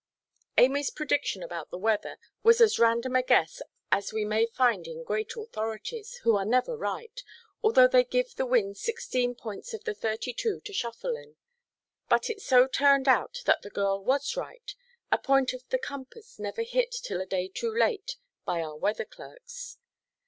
Amyʼs prediction about the weather was as random a guess as we may find in great authorities, who are never right, although they give the winds sixteen points of the thirty–two to shuffle in. But it so turned out that the girl was right—a point of the compass never hit till a day too late by our weather–clerks.